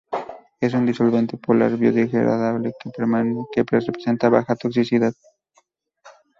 Es un disolvente polar, biodegradable, que presenta baja toxicidad.